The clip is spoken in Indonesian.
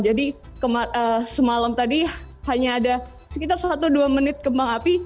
jadi semalam tadi hanya ada sekitar satu dua menit kembang api